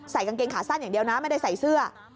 กางเกงขาสั้นอย่างเดียวนะไม่ได้ใส่เสื้อ